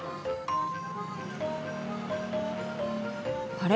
あれ？